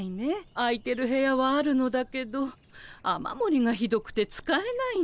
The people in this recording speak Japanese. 空いてる部屋はあるのだけど雨もりがひどくて使えないの。